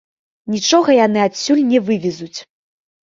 Нічога яны адсюль не вывезуць.